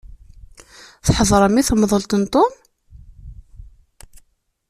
Tḥeḍrem i temḍelt n Tom?